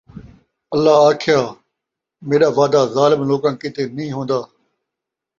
اَللہ آکھیا، میݙا وعدہ ظالم لوکاں کِیتے نھیں ہوندا ۔